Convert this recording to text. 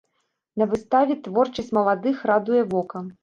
На выставе творчасць маладых радуе вока.